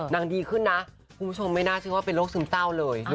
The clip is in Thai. ดีขึ้นนะคุณผู้ชมไม่น่าเชื่อว่าเป็นโรคซึมเศร้าเลย